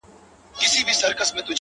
• داسي په ماښام سترگي راواړوه؛